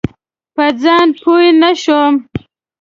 په ځان پوی نه شوم.